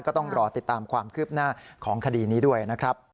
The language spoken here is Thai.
ก็ต้องรอติดตามความคืบหน้าของคดีนี้ด้วยนะครับ